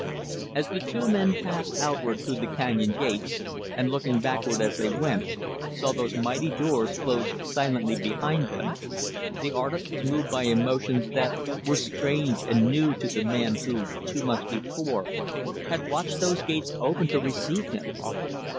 As the two men passed outward through the canyon gates and, looking backward as they went, saw those mighty doors close silently behind them, the artist was moved by emotions that were strange and new to the man who, two months before, had watched those gates open to receive him.